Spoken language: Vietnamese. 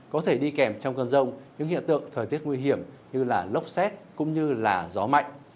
có thể đi kèm trong cơn rông những hiện tượng thời tiết nguy hiểm như lốc xét cũng như gió mạnh